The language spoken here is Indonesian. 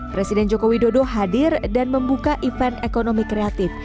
presiden joko widodo hadir dan membuka event ekonomi kreatif